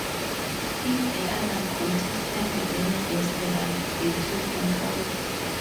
If the other contestant then guessed right, they took control.